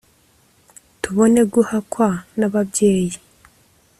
tubone guhakwa n'ababyeyi